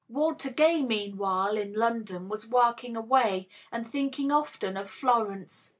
Walter Gay, meanwhile, in London, was working away and thinking often of Florence.